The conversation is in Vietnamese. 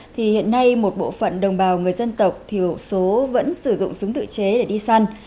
thì hiện nay một bộ phận đồng bào người dân tộc thiểu số vẫn sử dụng súng tự chế để đi săn